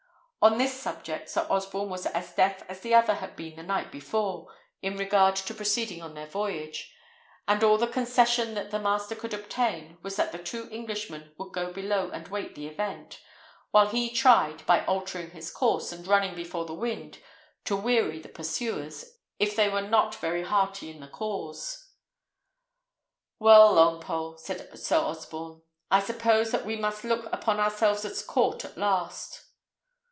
On this subject Sir Osborne was as deaf as the other had been the night before, in regard to proceeding on their voyage; and all the concession that the master could obtain was that the two Englishmen would go below and wait the event, while he tried, by altering his course and running before the wind, to weary the pursuers, if they were not very hearty in the cause. "Well, Longpole," said Sir Osborne, "I suppose that we must look upon ourselves as caught at last."